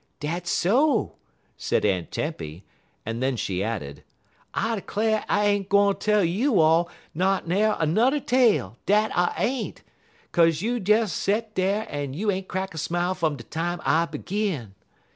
"Dat's so," said Aunt Tempy, and then she added: "I 'clare I ain't gwine tell you all not na'er n'er tale, dat I ain't. 'Kaze you des set dar en you ain't crack a smile fum de time I begin.